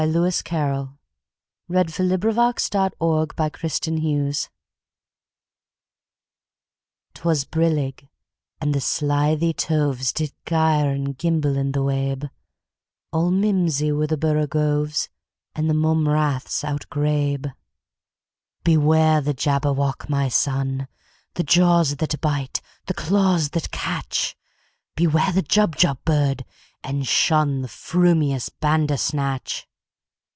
1895. Lewis Carroll 1832–98 Jabberwocky CarrollL 'T WAS brillig, and the slithy tovesDid gyre and gimble in the wabe; All mimsy were the borogoves, And the mome raths outgrabe."Beware the Jabberwock, my son! The jaws that bite, the claws that catch! Beware the Jubjub bird, and shunThe frumious Bandersnatch!"